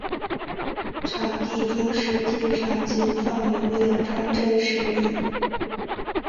场地中实际上仅放有两张真实椅。